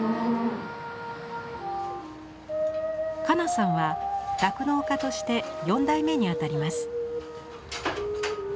加奈さんは酪農家として４代目に当たります。